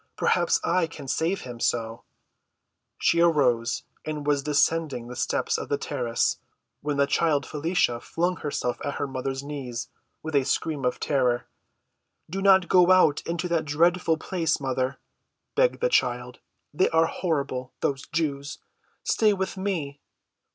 Perhaps I can save him so." She arose and was descending the steps of the terrace, when the child Felicia flung herself at her mother's knees with a scream of terror. "Do not go out into that dreadful place, mother," begged the child. "They are horrible—those Jews. Stay with me!"